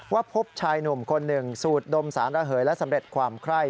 พบชายหนุ่มคนหนึ่งสูดดมสารระเหยและสำเร็จความไคร้